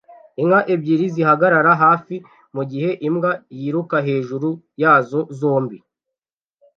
Inka ebyiri zihagarara hafi mugihe imbwa yiruka hejuru yazo zombi